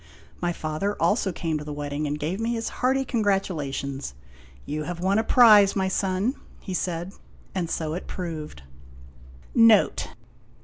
My father also came to the wedding and gave me his hearty congratulations. " You have won a prize, my son," he said. And so it proved. NOTE.